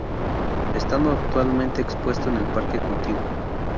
Estando actualmente expuesto en el parque contiguo.